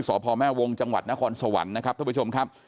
สพแม่วงจังหวัดนครสวรรค์นะครับท่านผู้ชมครับ